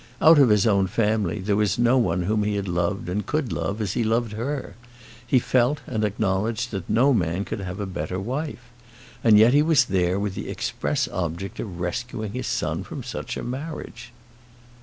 Out of his own family there was no one whom he had loved, and could love, as he loved her. He felt, and acknowledged that no man could have a better wife. And yet he was there with the express object of rescuing his son from such a marriage!